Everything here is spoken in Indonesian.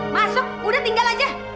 masuk udah tinggal saja